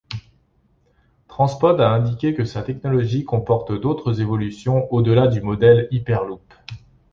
TransPod a indiqué que sa technologie comporte d’autres évolutions au-delà du modèle hyperloop.